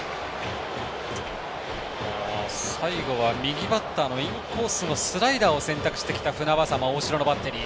最後は、右バッターのインコースのスライダーを選択してきた船迫、大城のバッテリー。